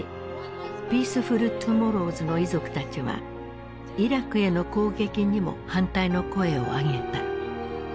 「ピースフル・トゥモローズ」の遺族たちはイラクへの攻撃にも反対の声を上げた。